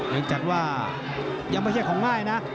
ยังจัดว่ายังไม่ใช่ของง่ายนะ